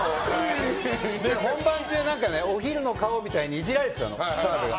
本番中、お昼の顔みたいにイジられてたの、澤部が。